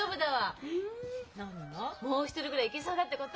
もう一人ぐらいいけそうだってこと。